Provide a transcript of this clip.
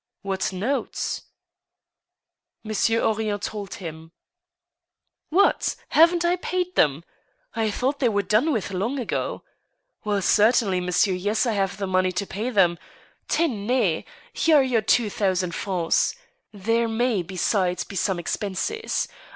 " •'What notes?" Monsieur Henrion told him. " What ! haven't I paid them ? I thought they were done with long ago. Well, certainly, monsieur ; yes, I have the money to pay them. •.. Tenezl here are your two thousand francs. There may, besides, be some expenses.